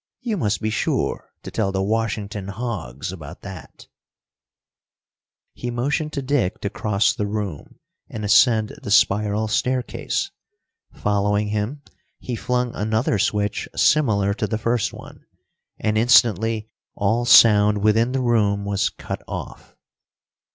You must be sure to tell the Washington hogs about that." He motioned to Dick to cross the room and ascend the spiral staircase. Following him, he flung another switch similar to the first one, and instantly all sound within the room was cut off.